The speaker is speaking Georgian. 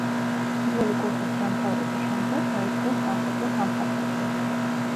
პირველი კურსის დამთავრების შემდეგ, გაიწვიეს სამხედრო სამსახურში.